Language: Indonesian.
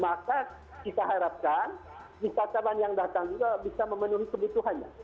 maka kita harapkan di kata kata yang datang juga bisa memenuhi kebutuhannya